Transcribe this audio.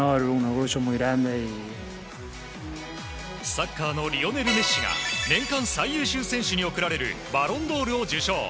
サッカーのリオネル・メッシが年間最優秀選手に贈られるバロンドールを受賞。